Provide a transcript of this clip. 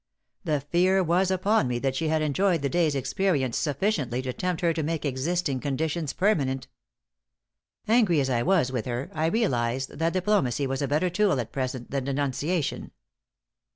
The fear was upon me that she had enjoyed the day's experience sufficiently to tempt her to make existing conditions permanent. Angry as I was with her, I realized that diplomacy was a better tool at present than denunciation.